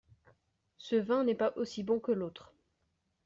Ce vin n’est pas aussi bon que l’autre.